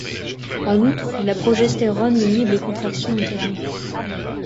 En outre la progestérone inhibe les contractions utérines.